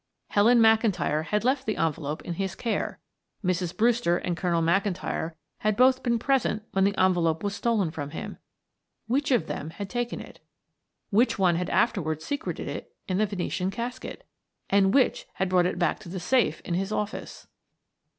Helen McIntyre had left the envelope in his care. Mrs. Brewster and Colonel McIntyre had both been present when the envelope was stolen from him. Which of them had taken it? Which one had afterwards secreted it in the Venetian casket? And which had brought it back to the safe in his office?